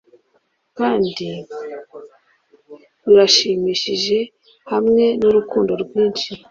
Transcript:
kandi birashimishije hamwe nurukundo rwinshi